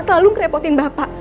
selalu ngerepotin bapak